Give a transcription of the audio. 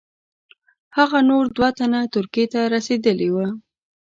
هغه نور دوه تنه ترکیې ته رسېدلي وه.